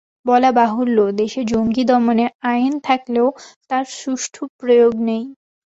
বলা বাহুল্য, দেশে জঙ্গি দমনে আইন থাকলেও তার সুষ্ঠু প্রয়োগ নেই।